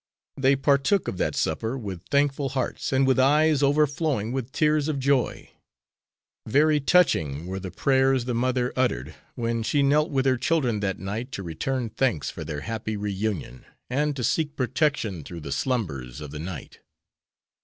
They partook of that supper with thankful hearts and with eyes overflowing with tears of joy. Very touching were the prayers the mother uttered, when she knelt with her children that night to return thanks for their happy reunion, and to seek protection through the slumbers of the night.